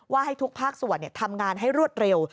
ให้ทุกภาคส่วนทำงานให้รวดเร็ว